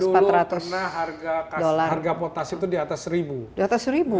kalau dulu harga potas itu di atas seribu dolar